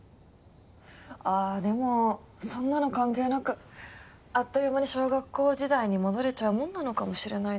あっでもそんなの関係なくあっという間に小学校時代に戻れちゃうもんなのかもしれないですね。